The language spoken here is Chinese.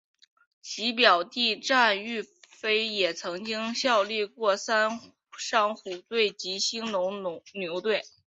其表弟战玉飞也曾经效力过三商虎队及兴农牛队。